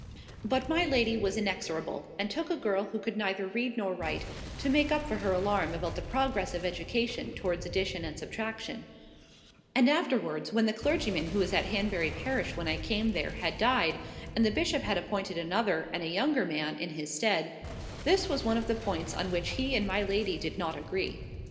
But my lady was inexorable, and took a girl who could neither read nor write, to make up for her alarm about the progress of education towards addition and subtraction; and afterwards, when the clergyman who was at Hanbury parish when I came there, had died, and the bishop had appointed another, and a younger man, in his stead, this was one of the points on which he and my lady did not agree.